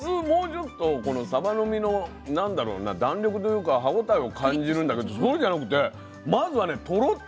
もうちょっとこのサバの身の弾力というか歯応えを感じるんだけどそうじゃなくてまずはねトロ